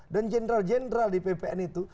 dan jenderal jenderal di ppn itu